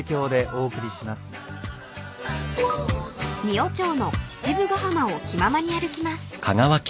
［仁尾町の父母ヶ浜を気ままに歩きます］